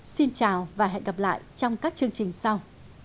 xin chào và hẹn gặp lại trong các chương trình sau